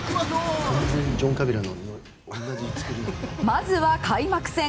まずは開幕戦。